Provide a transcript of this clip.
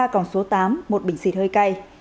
ba còng số tám một bình xịt hơi cay